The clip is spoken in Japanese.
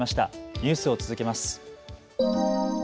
ニュースを続けます。